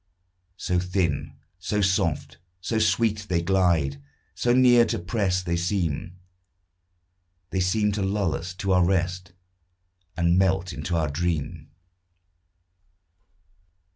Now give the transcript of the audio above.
So thin, so soft, so sweet they glide, So near to press they seem, They seem to lull us to our rest, And melt into our dream.